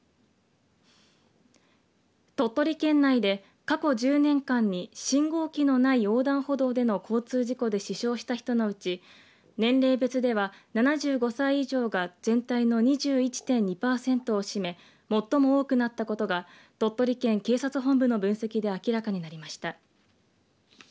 鳥取県内で過去１０年間に信号機のない横断歩道での交通事故で死傷した人のうち年齢別では７５歳以上が全体の２１．２パーセントを占め最も多くなったことが鳥取県警察本部の分析で明らかになりました。